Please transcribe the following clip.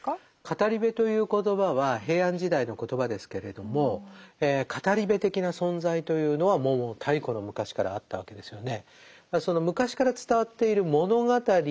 語部という言葉は平安時代の言葉ですけれども語部的な存在というのはもう太古の昔からあったわけですよね。